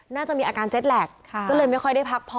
น่าจะมีอาการเจ็ดแหลก